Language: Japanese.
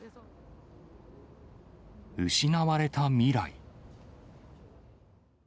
失われた未来。